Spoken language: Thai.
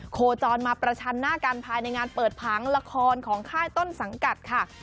โคจรมาประชันหน้ากันภายในงานเปิดผังละครของค่ายต้นสังกัดค่ะ